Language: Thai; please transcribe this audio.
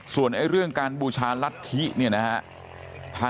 ส่วนเรื่องการบูชารัฐฮินะฮะ